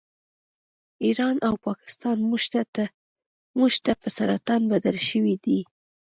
ایران او پاکستان موږ ته په سرطان بدل شوي دي